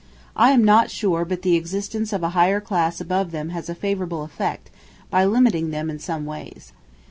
I am not sure but the existence of a higher class above them has a favorable effect, by limiting them in some ways.